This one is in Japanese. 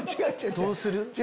どうする？